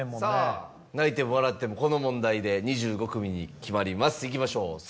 さぁ泣いても笑ってもこの問題で２５組に決まりますいきましょう。